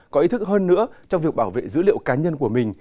có ý thức hơn nữa trong việc bảo vệ dữ liệu cá nhân của mình